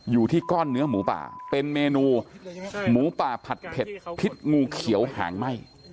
อยู่ที่ก้อนเนื้อหมูป่าเป็นเมนูหมูป่าผัดเผ็ดพิษงูเขียวหางไหม้